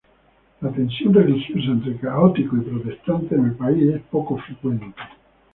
La tensión religiosa entre católicos y protestantes en el país es poco frecuente.